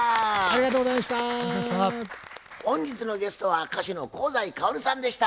本日のゲストは歌手の香西かおりさんでした。